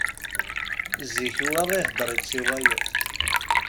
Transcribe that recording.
Zik wa ihedder-itt i wayeḍ.